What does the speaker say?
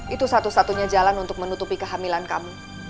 itu satu satunya jalan untuk menutupi kehamilan kamu